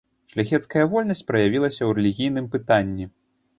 Шляхецкая вольнасць праявілася і ў рэлігійным пытанні.